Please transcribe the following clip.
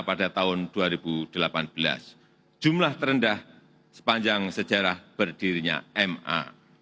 pada tahun dua ribu delapan belas jumlah terendah sepanjang sejarah berdirinya ma